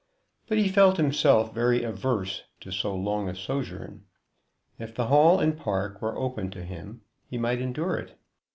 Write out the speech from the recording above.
But he felt himself very averse to so long a sojourn. If the Hall and park were open to him he might endure it.